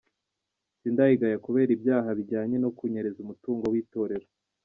Sindayigaya kubera ibyaha bijyanye no kunyereza umutungo w’itorero.